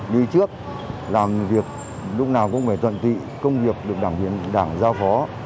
đi trước làm việc lúc nào cũng phải tuần tị công việc được đảng viên đảng giao khó